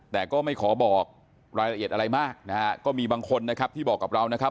แต่ก็ไม่ขอบอกรายละเอียดอะไรมากนะฮะก็มีบางคนนะครับที่บอกกับเรานะครับ